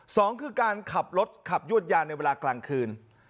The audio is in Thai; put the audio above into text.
สองคือการขับรถขับยวดยานในเวลากลางคืน